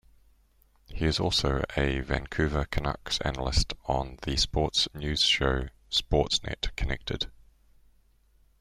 He is also a Vancouver Canucks analyst on the sports news show Sportsnet Connected.